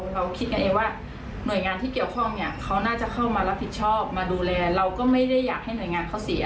ฟังเสียงภรรยาหน่อยค่ะ